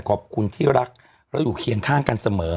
ขอบคุณที่รักแล้วอยู่เคียงข้างกันเสมอ